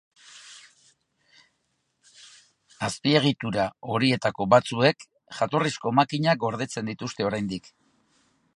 Azpiegitura horietako batzuek jatorrizko makinak gordetzen dituzte oraindik.